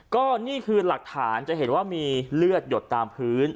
ก็นี่คือหลักฐานจะเห็นว่ามีเลือดหยดตามพื้น